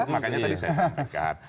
makanya tadi saya sampaikan